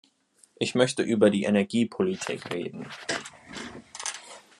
Ich möchte über die Energiepolitik reden.